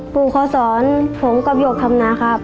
ปู่เขาสอนผมกับหยกคำนาครับ